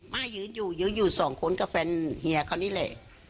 มายืนอยู่ยืนอยู่สองคนก็เป็นเฮียเขานี่แหละ